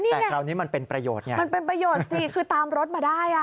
แต่คราวนี้มันเป็นประโยชน์ไงมันเป็นประโยชน์สิคือตามรถมาได้อ่ะ